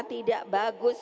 yang dapat beban